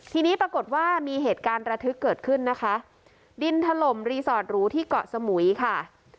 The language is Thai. ทีนี้ปรากฏว่ามีเหตุการณ์ระทึกเกิดขึ้นนะคะดินถล่มรีสอร์ตหรูที่เกาะสมุยค่ะ